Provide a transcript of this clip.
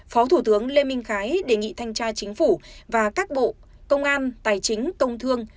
phó thủ tướng lê minh khái đề nghị thanh tra chính phủ và các bộ công an tài chính công thương